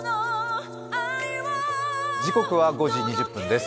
時刻は５時２０分です。